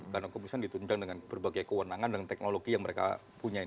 karena kepolisian ditundang dengan berbagai kewenangan dan teknologi yang mereka punyai